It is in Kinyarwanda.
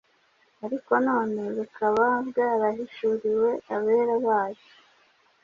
ariko none bukaba bwarahishuriwe abera bayo,